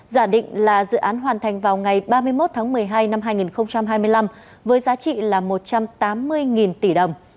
giả định là dự án hoàn thành vào ngày ba mươi một tháng một mươi hai năm hai nghìn hai mươi năm với giá trị là một trăm tám mươi tỷ đồng